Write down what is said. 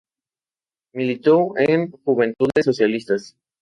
Militó en Juventudes Socialistas.